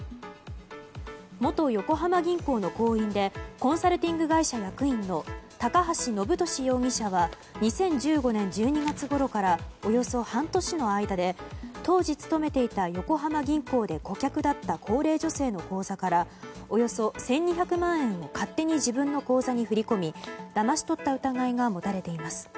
元横浜銀行の行員でコンサルティング会社役員の高橋延年容疑者は２０１５年１２月ごろからおよそ半年の間で当時勤めていた横浜銀行で顧客だった高齢女性の口座からおよそ１２００万円を勝手に自分の口座に振り込みだまし取った疑いが持たれています。